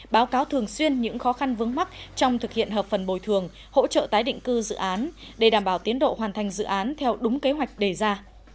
báo cáo thường xuyên những khó khăn vướng mắt trong thực hiện hợp phần bồi thường hỗ trợ tái định cư dự án để đảm bảo tiến độ hoàn thành dự án theo đúng kế hoạch đề ra